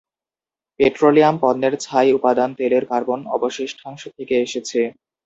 Petroleum পণ্যের ছাই উপাদান তেলের কার্বন অবশিষ্টাংশ থেকে এসেছে।